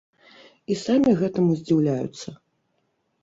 І самі гэтаму здзіўляюцца.